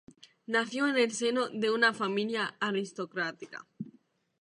Nació en el seno de una familia aristocrática.